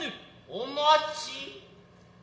お待ち。